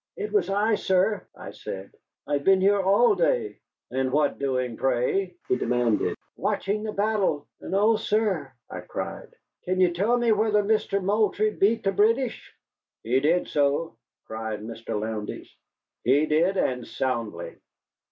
"It was I, sir," I said. "I have been here all day." "And what doing, pray?" he demanded. "Watching the battle. And oh, sir," I cried, "can you tell me whether Mister Moultrie beat the British?" "He did so," cried Mr. Lowndes. "He did, and soundly."